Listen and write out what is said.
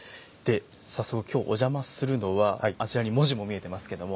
早速今日お邪魔するのはあちらに文字も見えてますけども。